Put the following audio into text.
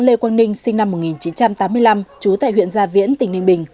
lê quang ninh sinh năm một nghìn chín trăm tám mươi năm trú tại huyện gia viễn tỉnh ninh bình